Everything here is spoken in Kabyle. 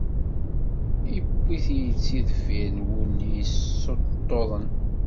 Iwwi-t-id si deffir n wulli i yessuṭṭuḍen.